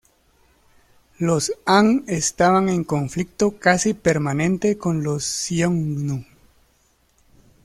Los Han estaban en conflicto casi permanente con los xiongnu.